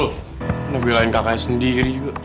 udah belain kakaknya sendiri juga